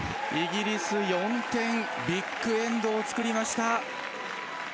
イギリス４点、ビッグエンドを作りました。